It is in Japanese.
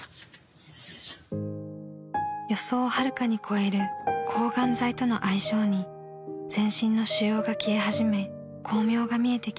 ［予想をはるかに超える抗がん剤との相性に全身の腫瘍が消え始め光明が見えてきたのです］